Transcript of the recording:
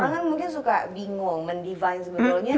orang kan mungkin suka bingung mendivine sebetulnya